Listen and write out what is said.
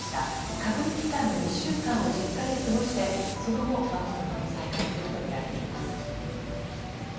隔離期間の２週間を実家で過ごしてその後、まこさまと再会するとみられています。